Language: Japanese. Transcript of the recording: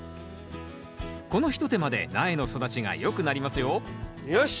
この一手間で苗の育ちがよくなりますよよし！